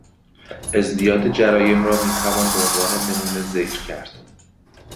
ازدیاد جرایم را میتوان به عنوان نمونه ذکر کرد.